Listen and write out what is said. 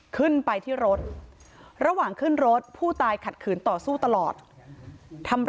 ขึ้นไปที่รถระหว่างขึ้นรถผู้ตายขัดขืนต่อสู้ตลอดทำร้าย